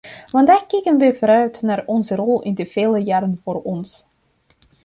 Vandaag kijken we vooruit naar onze rol in de vele jaren voor ons.